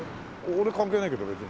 俺関係ないけど別に。